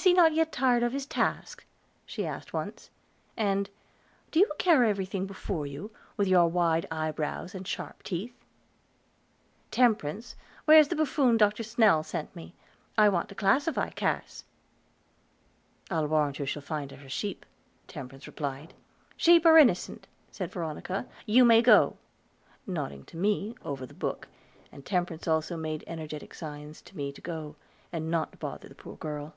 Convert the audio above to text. "Is he not yet tired of his task?" she asked once. And, "Do you carry everything before you, with your wide eyebrows and sharp teeth? Temperance, where's the Buffon Dr. Snell sent me? I want to classify Cass." "I'll warrant you'll find her a sheep," Temperance replied. "Sheep are innocent," said Veronica. "You may go," nodding to me, over the book, and Temperance also made energetic signs to me to go, and not bother the poor girl.